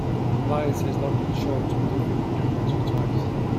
Compliance has not been shown to be different between the two types.